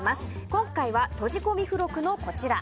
今回はとじ込み付録のこちら。